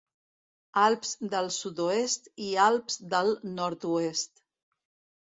Alps del sud-oest i Alps del nord-oest.